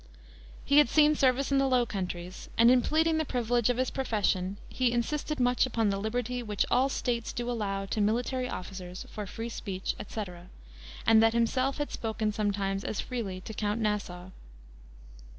He had seen service in the Low Countries, and in pleading the privilege of his profession "he insisted much upon the liberty which all States do allow to military officers for free speech, etc., and that himself had spoken sometimes as freely to Count Nassau."